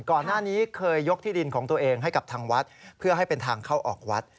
ก่อนหน้านี้เคยยกที่ดินของตัวเองให้กับทางวัดเพื่อให้เป็นทางเข้าออกวัด